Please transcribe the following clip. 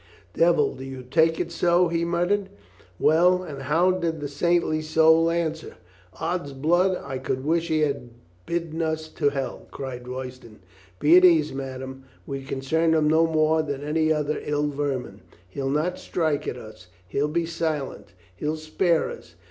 "Devil, do you take it so?" he mut tered. "Well, and how did the saintly soul answer?" "Ods blood, I could wish he had bidden us to hell!" cried Royston. "Be at ease, madame. We concern him no more than any other ill vermin. He'll not strike at us. He'll be silent. He'll spare us.